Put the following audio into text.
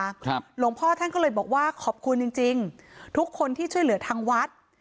หลวงพ่อท่านก็เลยบอกว่าขอบคุณจริงจริงทุกคนที่ช่วยเหลือทางวัด